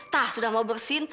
tah sudah mau bersihin